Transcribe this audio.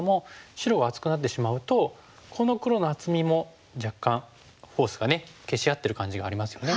白が厚くなってしまうとこの黒の厚みも若干フォースが消し合ってる感じがありますよね。